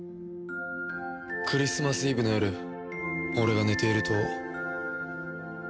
クリスマスイブの夜俺が寝ていると。